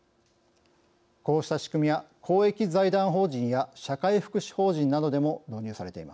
こうした仕組みは公益財団法人や社会福祉法人などでも導入されています。